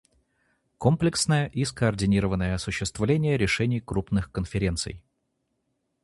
Комплексное и скоординированное осуществление решений крупных конференций.